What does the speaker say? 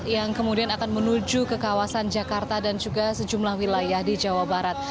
yang kemudian akan menuju ke kawasan jakarta dan juga sejumlah wilayah di jawa barat